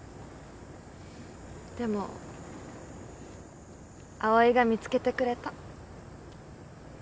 でも葵が見つけてくれた。